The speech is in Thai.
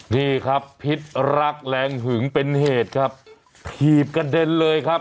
นี่ครับพิษรักแรงหึงเป็นเหตุครับถีบกระเด็นเลยครับ